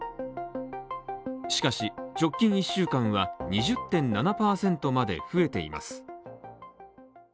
しかし、直近１週間は２０．７％まで増えています。